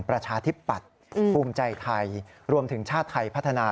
ประชาธิปัตย์ภูมิใจไทยรวมถึงชาติไทยพัฒนา